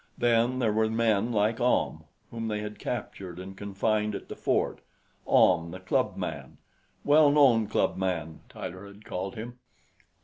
Then there were men like Ahm, whom they had captured and confined at the fort Ahm, the club man. "Well known club man," Tyler had called him.